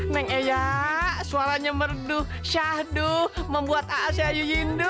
neng eya suaranya merdu syahdu membuat aa sayu yindu